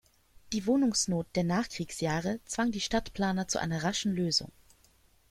Die Wohnungsnot der Nachkriegsjahre zwang die Stadtplaner zu einer raschen Lösung.